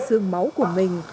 sương máu của mình